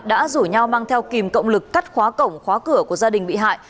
đã rủ nhau mang theo kìm cộng lực cắt khóa cổng khóa cửa của gia đình bị hại